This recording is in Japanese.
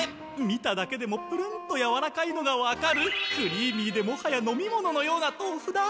見ただけでもプルンとやわらかいのがわかるクリーミーでもはや飲み物のようなとうふだ。